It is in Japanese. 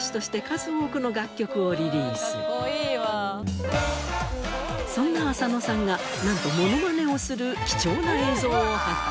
その後もそんな浅野さんがなんとモノマネをする貴重な映像を発見。